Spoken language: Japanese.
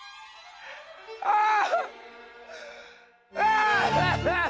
ああ！